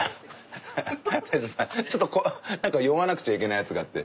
大将ちょっとなんか言わなくちゃいけないやつがあって。